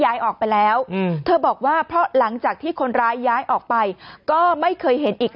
ย้ายออกไปแล้วเธอบอกว่าเพราะหลังจากที่คนร้ายย้ายออกไปก็ไม่เคยเห็นอีก